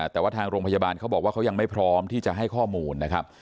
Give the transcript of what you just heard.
แต่ว่าทางโรงพยาบาลเขาบอกว่าเขายังไม่พร้อมที่จะให้ข้อมูลนะครับ